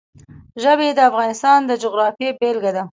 ژبې د افغانستان د جغرافیې بېلګه ده.